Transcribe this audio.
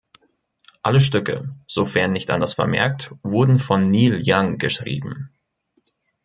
Alle Stücke, sofern nicht anders vermerkt, wurden von Neil Young geschrieben.